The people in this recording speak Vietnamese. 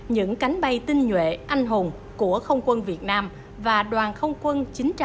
những cánh bay tinh nhuệ anh hùng của không quân việt nam và đoàn không quân chín trăm tám mươi tám